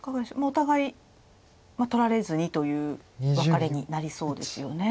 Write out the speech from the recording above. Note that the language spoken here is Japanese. お互い取られずにというワカレになりそうですよね。